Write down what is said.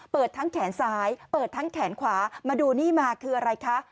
เปิดทั้งแขนซ้ายเปิดทั้งแขนขวามาดูนี่มาคืออะไรคะ